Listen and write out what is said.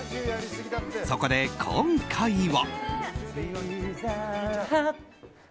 そこで、今回は。